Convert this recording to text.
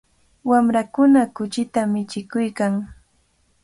Wamrakuna kuchita michikuykan.